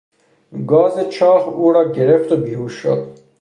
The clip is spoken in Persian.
گاز چاه او را گرفت و بیهوش شد.